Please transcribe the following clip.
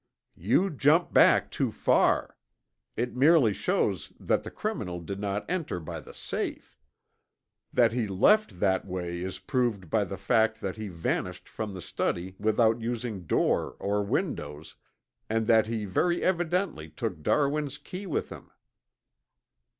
"You jump back too far. It merely shows that the criminal did not enter by the safe. That he left that way is proved by the fact that he vanished from the study without using door or windows, and that he very evidently took Darwin's key with him."